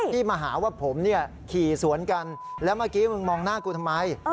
ที่มาหาว่าผมเนี่ยขี่สวนกันแล้วเมื่อกี้มึงมองหน้ากูทำไม